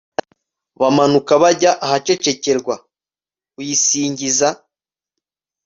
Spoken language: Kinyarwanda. bamanuka bajya ahacecekerwa uyisingiza